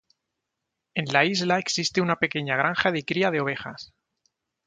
En la isla existe una pequeña granja de cría de ovejas.